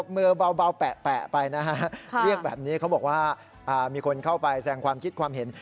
มือเบาแปะไปนะฮะเรียกแบบนี้เขาบอกว่ามีคนเข้าไปแสงความคิดความเห็น